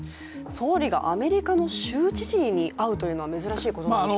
総理がアメリカの州知事に会うというのは珍しいことなんですか？